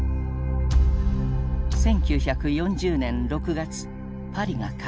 １９４０年６月パリが陥落。